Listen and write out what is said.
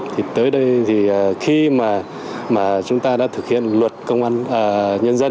thì tới đây thì khi mà chúng ta đã thực hiện luật công an nhân dân